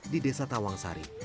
di desa tawang sari